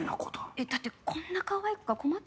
えっだってこんなかわいい子が困ってるんですよ？